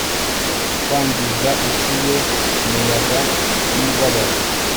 Kwangiza isi ye umuyaga wumubabaro